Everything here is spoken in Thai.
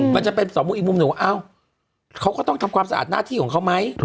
มันจะเป็นสองมุมอีกมุมหนึ่งว่าเขาก็ต้องทำความสะอาดหน้าที่ของเขาไหม